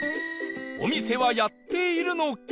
お店はやっているのか？